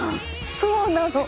そうなの。